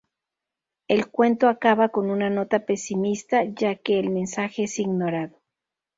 El cuento acaba con una nota pesimista, ya que el mensaje es ignorado.